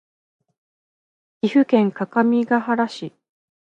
岐阜県各務原市